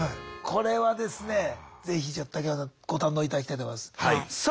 これはですね是非竹山さんご堪能いただきたいと思います。